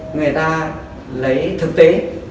người ta lấy thực tế